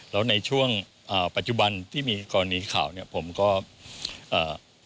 แล้วในช่วงอ่าปัจจุบันที่มีกรณีข่าวเนี้ยผมก็อ่า